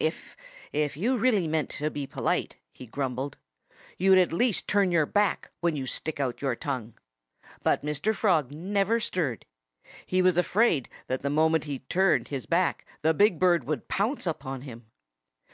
"If you really meant to be polite," he grumbled, "you'd at least turn your back when you stick out your tongue." But Mr. Frog never stirred. He was afraid that the moment he turned his back the big bird would pounce upon him.